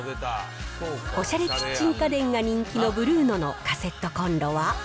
おしゃれキッチン家電が人気のブルーノのカセットコンロは。